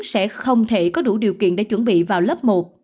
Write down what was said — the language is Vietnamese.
sẽ không thể có đủ điều kiện để chuẩn bị vào lớp một